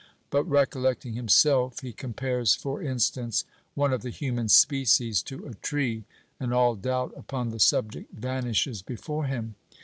But, recollecting himself, he compares, for instance, one of the human species to a tree, and all doubt upon the subject vanishes before him.